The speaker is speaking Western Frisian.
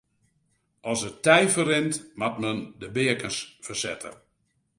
As it tij ferrint moat men de beakens fersette.